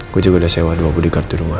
gue juga udah sewa dua bodyguard di rumah